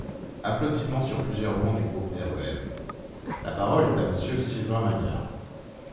(Applaudissements sur plusieurs bancs du groupe REM.) La parole est à Monsieur Sylvain Maillard.